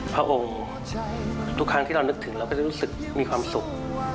พระองค์ทุกครั้งที่เรานึกถึงเราก็จะรู้สึกมีความสุข